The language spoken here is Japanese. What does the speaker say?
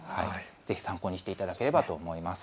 ぜひ参考にしていただければと思います。